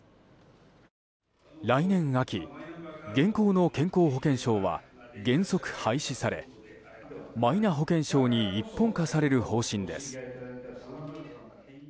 来年秋、現行の健康保険証は原則廃止されマイナ保険証に一本化される方針です。